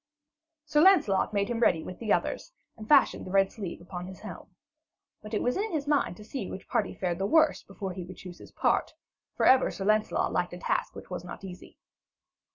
Sir Lancelot made him ready with the others, and fashioned the red sleeve upon his helm. But it was in his mind to see which party fared the worse before he would choose his part; for ever Sir Lancelot liked a task which was not easy.